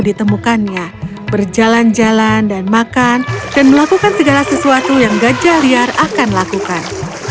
ditemukannya berjalan jalan dan makan dan melakukan segala sesuatu yang gajah liar akan lakukan